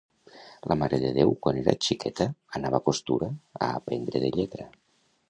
La Mare de Déu, quan era xiqueta, anava a costura a aprendre de lletra.